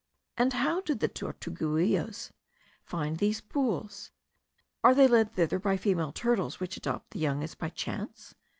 How then do the tortuguillos find these pools? Are they led thither by female turtles, which adopt the young as by chance?